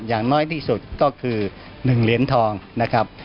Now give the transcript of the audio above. อย่างน้อยที่สุดก็คือ๑เหรียญทองนะครับ